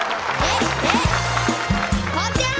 ที่พอจับกีต้าร์ปุ๊บ